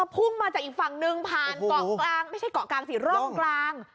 พุ่งมาจากอีกฝั่งหนึ่งผ่านเกาะกลางไม่ใช่เกาะกลางสิร่องกลาง